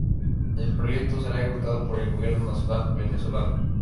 El proyecto será ejecutado por el Gobierno Nacional venezolano.